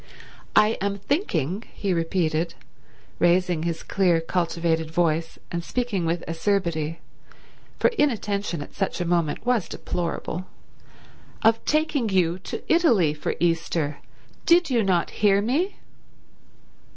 "I am thinking," he repeated, raising his clear, cultivated voice and speaking with acerbity, for inattention at such a moment was deplorable, "of taking you to Italy for Easter. Did you not hear me?"